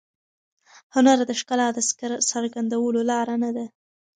هنر د ښکلا د څرګندولو لاره نه ده.